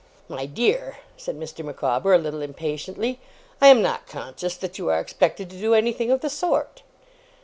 'My dear,' said Mr. Micawber, a little impatiently, 'I am not conscious that you are expected to do anything of the sort.